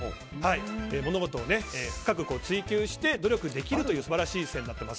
物事を深く追求して努力できるという素晴らしい線になっています。